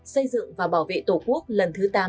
xây dựng và bảo vệ tổ quốc lần thứ tám